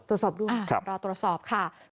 ตรวจสอบด้วยรอตรวจสอบค่ะ